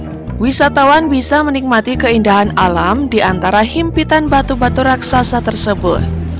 untuk wisatawan bisa menikmati keindahan alam di antara himpitan batu batu raksasa tersebut